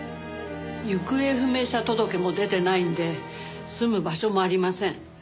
行方不明者届も出てないんで住む場所もありません。